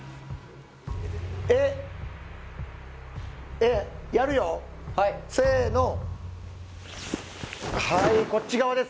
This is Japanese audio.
えっやるよはいせーのはいこっち側です